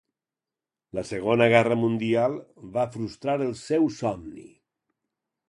La Segona Guerra Mundial va frustrar el seu somni.